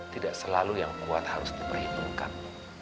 tidak selalu yang kuat harus diperhitungkan